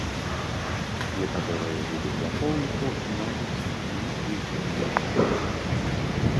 Некаторыя віды клапоўніку маюць непрыемны пах.